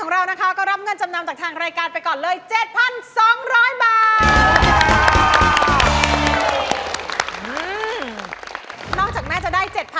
รับจำนำ